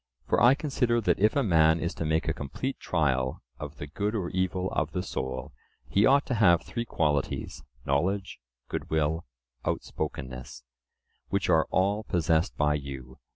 For I consider that if a man is to make a complete trial of the good or evil of the soul, he ought to have three qualities—knowledge, good will, outspokenness, which are all possessed by you.